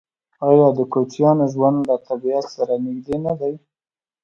آیا د کوچیانو ژوند له طبیعت سره نږدې نه دی؟